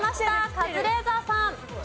カズレーザーさん。